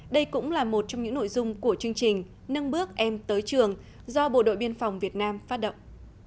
đây cũng là một trong những nội dung của chương trình nâng bước em tới trường do bộ đội biên phòng việt nam phát động